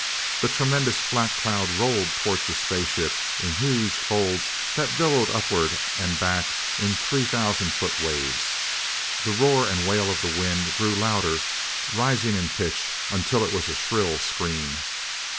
The tremendous black cloud rolled toward the spaceship in huge folds that billowed upward and back in three thousand foot waves. The roar and wail of the wind grew louder, rising in pitch until it was a shrill scream.